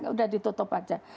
udah ditutup aja